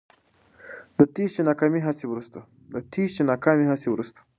د تېښتې ناکامې هڅې وروسته